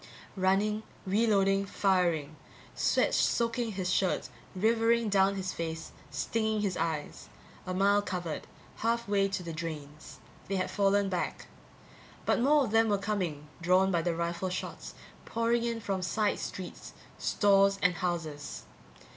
Running, re loading, firing. Sweat soaking his shirt, rivering down his face, stinging his eyes. A mile covered. Half way to the drains. They had fallen back. But more of them were coming, drawn by the rifle shots, pouring in from side streets, stores and houses.